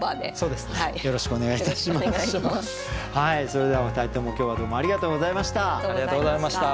それではお二人とも今日はどうもありがとうございました。